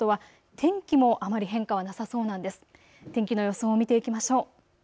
天気の予想を見ていきましょう。